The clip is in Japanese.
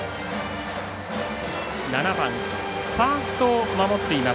７番、ファーストを守っています